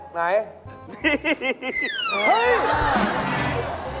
ไหนมี